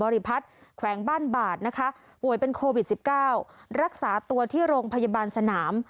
รักษาตัวที่โรงพยาบาลสนาม